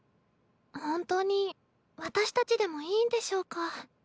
本当に私たちでもいいんでしょうか？